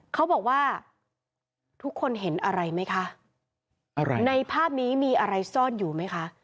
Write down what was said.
เขาบอกว่าทุกคนเห็นอะไรไหมคะอะไรในภาพนี้มีอะไรซ่อนอยู่ไหมคะ